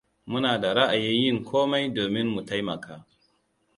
Muna da ra'ayin yin komai domin mu taimaka.